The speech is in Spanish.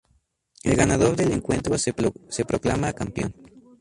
El ganador del encuentro se proclama campeón.